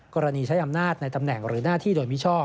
กรณีใช้อำนาจในตำแหน่งหรือหน้าที่โดยมิชอบ